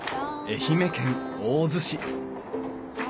愛媛県大洲市。